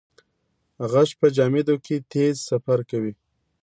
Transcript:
غږ په جامدو کې تېز سفر کوي.